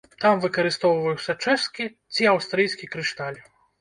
Там выкарыстоўваўся чэшскі ці аўстрыйскі крышталь.